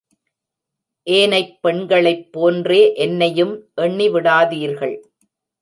ஏனைப் பெண்களைப் போன்றே என்னையும் எண்ணி விடாதீர்கள்.